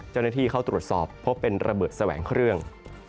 เจ้าหน้าที่เข้าตรวจสอบพบเป็นระเบิดแสวงเครื่อง